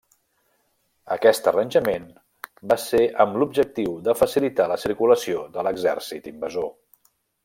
Aquest arranjament va ser amb l'objectiu de facilitar la circulació de l'exèrcit invasor.